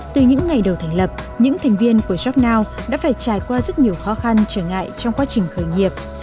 từ những ngày đầu thành lập những thành viên của jobnow đã phải trải qua rất nhiều khó khăn trở ngại trong quá trình khởi nghiệp